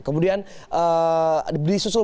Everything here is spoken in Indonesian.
kemudian disusul berikutnya